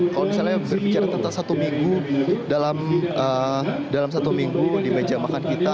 kalau misalnya berbicara tentang satu minggu dalam satu minggu di meja makan kita